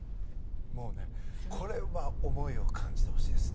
これは思いを感じてほしいです。